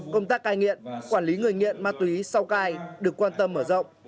công tác cai nghiện quản lý người nghiện ma túy sau cai được quan tâm mở rộng